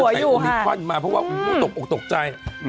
เครื่องหัวจะใกล้อุ่นควันมาเพราะว่าตกตกใจ